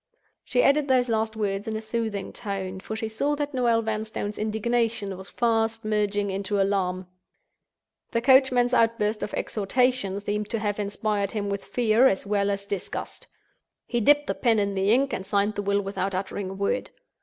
She added those last words in a soothing tone, for she saw that Noel Vanstone's indignation was fast merging into alarm. The coachman's outburst of exhortation seemed to have inspired him with fear, as well as disgust. He dipped the pen in the ink, and signed the Will without uttering a word.